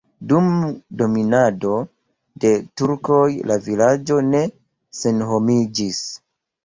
Dum dominado de turkoj la vilaĝo ne senhomiĝis.